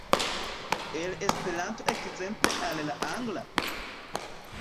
el Esperanto ekzemple al la angla?